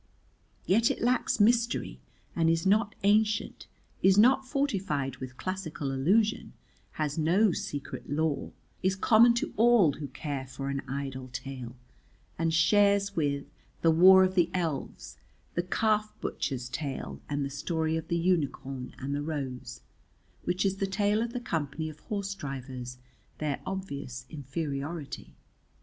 Yet it lacks mystery and is not ancient, is not fortified with classical allusion, has no secret lore, is common to all who care for an idle tale, and shares with "The Wars of the Elves," the Calf butcher's tale, and "The Story of the Unicorn and the Rose," which is the tale of the Company of Horse drivers, their obvious inferiority.